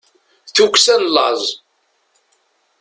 tukksa n laẓ